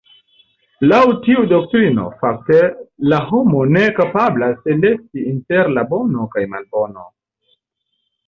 Laŭ tiu doktrino, fakte, la homo ne kapablas elekti inter la bono kaj malbono.